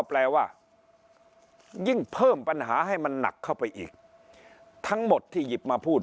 แปลว่ายิ่งเพิ่มปัญหาให้มันหนักเข้าไปอีกทั้งหมดที่หยิบมาพูด